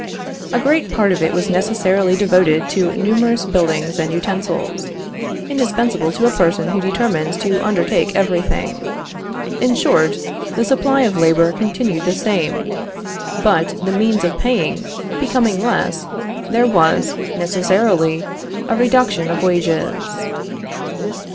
A great part of it was necessarily devoted to numerous buildings and utensils, indispensable to a person who determines to undertake every thing. In short, the supply of labor continued the same, but the means of paying becoming less, there was, necessarily, a reduction of wages.